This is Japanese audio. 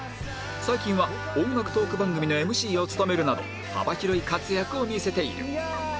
最近は音楽トーク番組の ＭＣ を務めるなど幅広い活躍を見せている